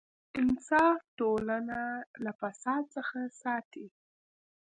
انصاف ټولنه له فساد څخه ساتي.